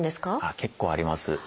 結構あります。